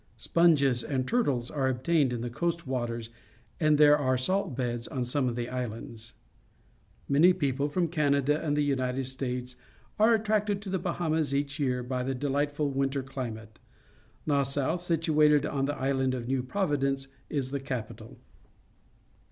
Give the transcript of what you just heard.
Sponges and turtles are obtained in the coast waters, and there are salt beds on some of the islands. Many people from Canada and the United States are attracted to the Bahamas each year by the dehghtful winter climate. Nas sau, situated on the island of N^ew Prom~ dence, is the capital.